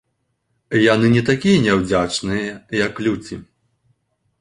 Яны не такія няўдзячныя, як людзі.